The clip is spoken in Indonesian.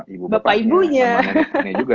ibu bapaknya sama nenek neneknya